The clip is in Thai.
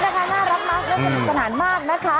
น่าจะมีสนานมากนะคะ